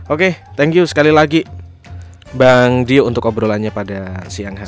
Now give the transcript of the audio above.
oke thank you sekali lagi bang dio untuk obrolannya pada siang hari ini